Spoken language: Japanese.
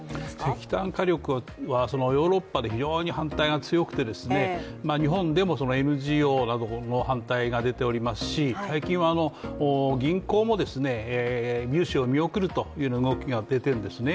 石炭火力はヨーロッパで非常に反対が強くて日本でもＮＧＯなどの反対が出ておりますし最近は銀行も融資を見送るという動きが出ているんですね。